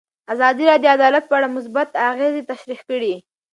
ازادي راډیو د عدالت په اړه مثبت اغېزې تشریح کړي.